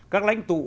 các lãnh tụ